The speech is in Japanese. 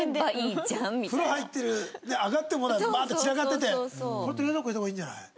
風呂入ってる上がってもバーッと散らかっててこれって冷蔵庫入れた方がいいんじゃない？